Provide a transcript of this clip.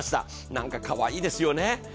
何かかわいいですよね。